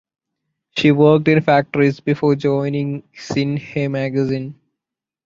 She worked in factories before joining Xin He Magazine.